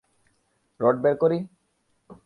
Rod বের করি?